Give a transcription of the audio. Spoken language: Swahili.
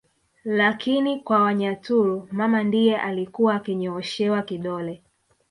Lakini kwa Wanyaturu mama ndiye alikuwa akinyooshewa kidole